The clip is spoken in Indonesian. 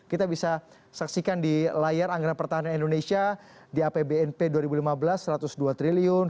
kita bisa saksikan di layar anggaran pertahanan indonesia di apbnp dua ribu lima belas satu ratus dua triliun